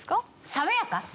「爽やか」？